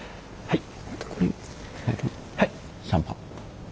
はい。